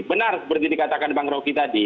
benar seperti dikatakan bang roky tadi